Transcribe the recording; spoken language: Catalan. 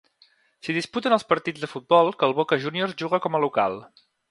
S'hi disputen els partits de futbol que el Boca Juniors juga com a local.